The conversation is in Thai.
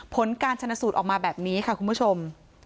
ผลการชนสูตรออกมาแบบนี้ค่ะคุณผู้ชม